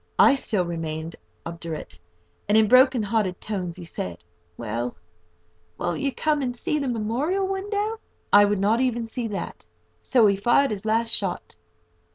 I still remained obdurate, and, in broken hearted tones, he said: "Well, won't you come and see the memorial window?" I would not even see that, so he fired his last shot.